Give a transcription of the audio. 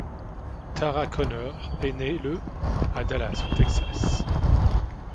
Tara Conner est née le à Dallas au Texas.